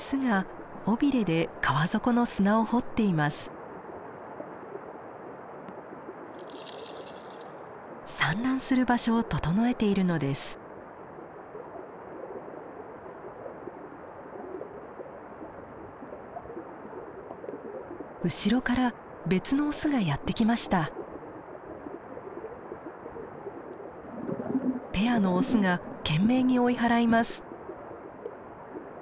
ペアのオスが懸命に追い払います。